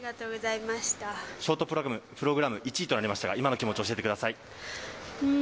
ショートプログラム１位となりましたが今の気持ち教えてください。